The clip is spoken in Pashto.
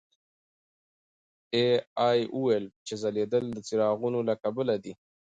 اې ای وویل چې ځلېدل د څراغونو له کبله دي.